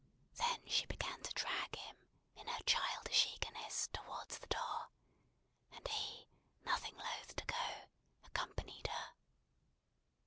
Then she began to drag him, in her childish eagerness, towards the door; and he, nothing loth to go, accompanied her.